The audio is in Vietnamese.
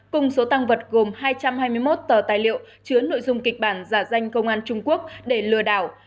cùng số tăng vật gồm hai trăm hai mươi một tờ tài liệu chứa nội dung kịch bản giả danh công an trung quốc để lừa đảo